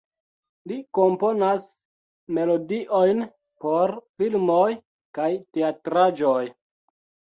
Li komponas melodiojn por filmoj kaj teatraĵoj.